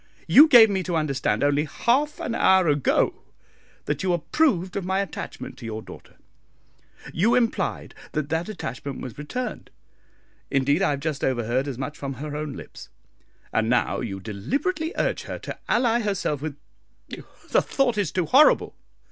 You gave me to understand only half an hour ago that you approved of my attachment to your daughter; you implied that that attachment was returned indeed, I have just overheard as much from her own lips; and now you deliberately urge her to ally herself with the thought is too horrible!"